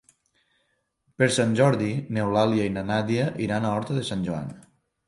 Per Sant Jordi n'Eulàlia i na Nàdia iran a Horta de Sant Joan.